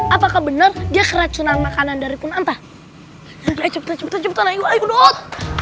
apakah benar dia keracunan makanan dari kunanta cepetan cepetan ayo ayo tot